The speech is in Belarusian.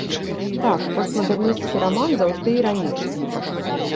Так, постмадэрнісцкі раман заўжды іранічны.